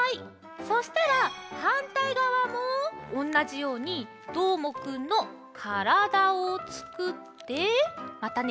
そしたらはんたいがわもおんなじようにどーもくんのからだをつくってまたね